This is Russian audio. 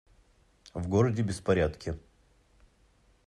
В городе беспорядки.